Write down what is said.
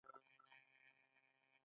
افغانان ولې کار کول غواړي؟